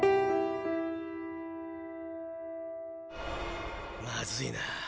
心の声まずいな。